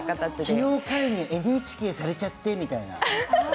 昨日、彼にＮＨＫされちゃってみたいな？